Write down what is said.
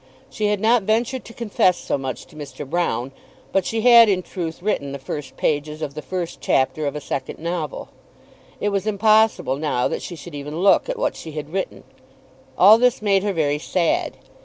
She had not ventured to confess so much to Mr. Broune, but she had in truth written the first pages of the first chapter of a second novel. It was impossible now that she should even look at what she had written. All this made her very sad.